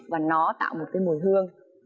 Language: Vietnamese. và nó tạo một cái mùi hương